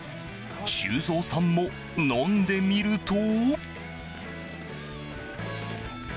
修造さんも飲んでみると。